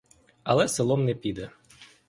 Але селом не піде.